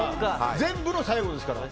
全部の最後ですからね。